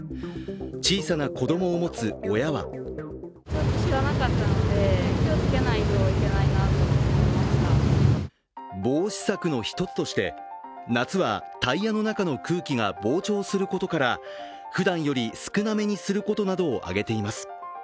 小さな子供を持つ親は防止策の一つとして夏はタイヤの中の空気が膨張することからふだんより少なめにすることなどを挙げています。